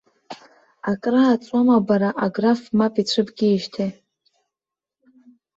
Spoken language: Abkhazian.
Акрааҵуама бара аграф мап ицәыбкижьҭеи?